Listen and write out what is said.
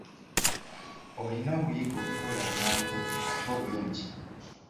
Olina okuyiga okukola amangu ate obulungi.